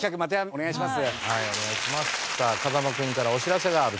お願いします。